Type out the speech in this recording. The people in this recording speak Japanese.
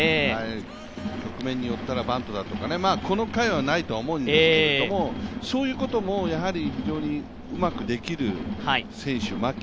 局面によったらバントだとか、この回はないと思いますがそういうことも非常にうまくできる選手、牧。